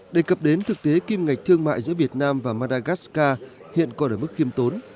đề cập đến thực tế kim ngạch thương mại giữa việt nam và madagascar hiện còn ở mức khiêm tốn